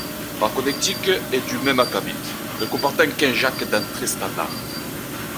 La connectique est du même acabit, ne comportant qu'un jack d'entrée standard.